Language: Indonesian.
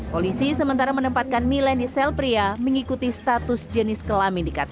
polisi sementara menempatkan milen di sel pria mengikuti status jenis kelamin di ktp